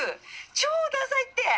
超ダサいって！